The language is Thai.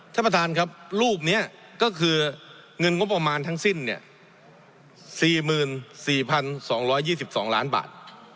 ท่านประธานครับรูปนี้ก็คือเงินงบประมาณทั้งสิ้น๔๔๒๒ล้านบาท